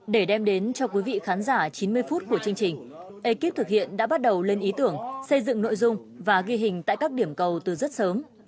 để đem đến cho quý vị khán giả chín mươi phút của chương trình ekip thực hiện đã bắt đầu lên ý tưởng xây dựng nội dung và ghi hình tại các điểm cầu từ rất sớm